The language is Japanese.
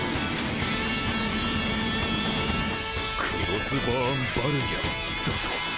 クロスバーン・バルニャーだと？